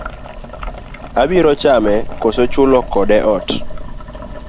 Abiro chame kose chulo kode ot?